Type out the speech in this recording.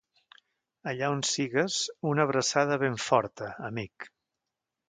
Allà on sigues, una abraçada ben forta, amic.